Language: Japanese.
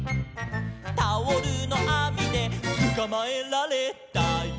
「タオルのあみでつかまえられたよ」